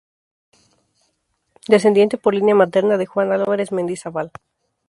Descendiente, por línea materna, de Juan Álvarez Mendizábal.